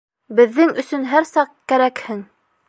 Беҙҙең өсөн һәр саҡ кәрәкһең!